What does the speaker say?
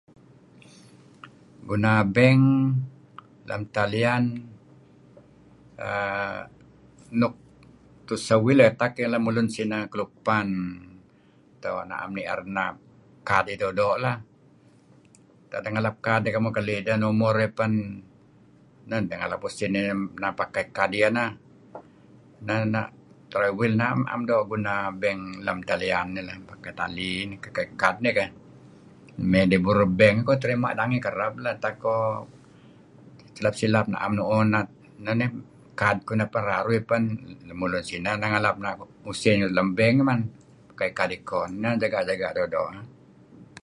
Guna bank dalam talian err nuk tuseh wih leh kayu' lemulun sineh kelupan atau na'em ni'er na' kad dih doo'-doo' lah, tak ideh ngalap kad dih kemuh keli' deh numur dih pen neh nideh ngalap usin pakai kad iyeh neh. Neh neh [unintelligible] Mey ngi burur bank koh terima' nangey kereb , utak koh silap-silap na'em mu'uh na' kad neh raruh iyeh pen lemulun sineh neh ngalap usin lem bank men pakai kad iko. Neh tu'en jaga' doo'-doo'.